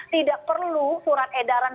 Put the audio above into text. tidak perlu surat edaran